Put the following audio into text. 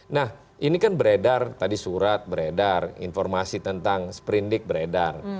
nah ini kan beredar tadi surat beredar informasi tentang sprindik beredar